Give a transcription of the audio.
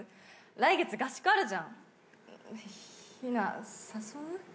来月合宿あるじゃんヒナ誘う？